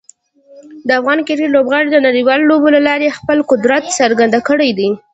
د افغان کرکټ لوبغاړو د نړیوالو لوبو له لارې خپل قدرت څرګند کړی دی.